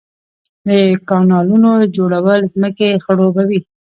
د کانالونو جوړول ځمکې خړوبوي